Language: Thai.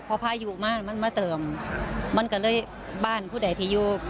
พอพายุมามันมาเติมมันก็เลยบ้านผู้ใดที่อยู่